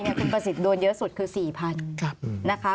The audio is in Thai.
คุณประสิทธิ์โดนเยอะสุดคือ๔๐๐๐นะคะ